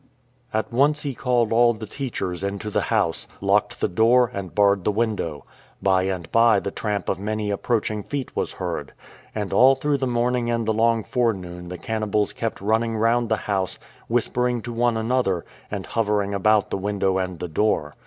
At once he called all the teachers into the house, locked the door, and barred the window. By and by the tramp of many approaching feet was heard. And all through the morning and the long forenoon the cannibals kept running round the house, whispering to one another, and hovering about the window and the door.